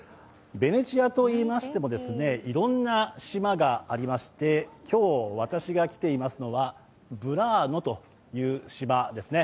ベネチアといいましても、いろんな島がありまして今日、私が来ていますのはブラーノという島ですね。